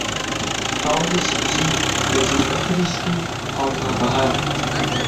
تاوڵی سەوزی لە جێی بەفری سپی هەڵدا بەهار